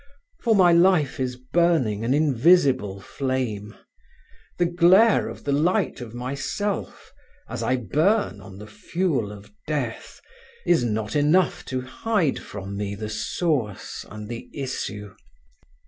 For my life is burning an invisible flame. The glare of the light of myself, as I burn on the fuel of death, is not enough to hide from me the source and the issue.